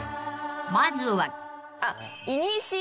［まずは］